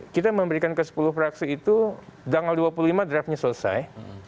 kita memberikan ke sepuluh fraksi itu tanggal dua puluh lima draftnya selesai